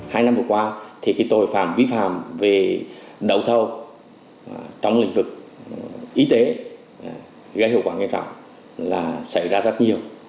hai năm vừa qua thì cái tội phạm vi phạm về đậu thâu trong lĩnh vực y tế gây hiệu quả nghiêm trọng là xảy ra rất nhiều